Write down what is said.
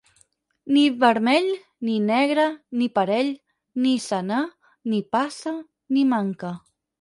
Ni vermell ni negre ni parell ni senar ni passa ni manca.